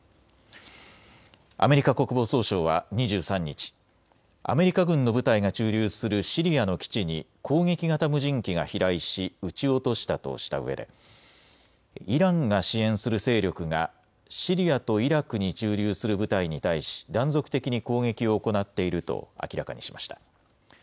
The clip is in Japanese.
アメリカ国防総省は２３日、アメリカ軍の部隊が駐留するシリアの基地に攻撃型無人機が飛来し撃ち落としたとしたうえでイランが支援する勢力がシリアとイラクに駐留する部隊に対し断続的に攻撃を行っていると明らかにしました。